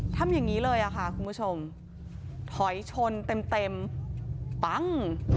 ทำอย่างนี้เลยอะค่ะคุณผู้ชมถอยชนเต็มปั้ง